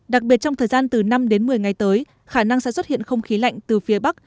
đặc biệt trong thời gian từ năm đến một mươi ngày tới khả năng sẽ xuất hiện không khí lạnh từ phía bắc